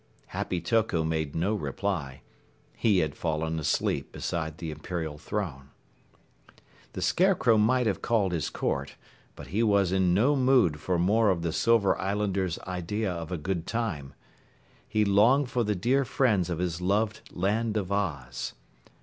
Happy Toko made no reply. He had fallen asleep beside the Imperial Throne. The Scarecrow might have called his court, but he was in no mood for more of the Silver Islanders' idea of a good time. He longed for the dear friends of his loved Land of Oz.